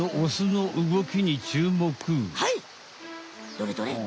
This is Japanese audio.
どれどれ？